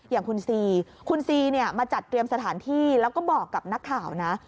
อย่างคุณซีคุณซีเนี่ยมาจัดเตรียมสถานที่แล้วก็บอกกับนักข่าวนะ